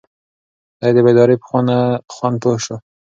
دی د بیدارۍ په خوند پوه شو.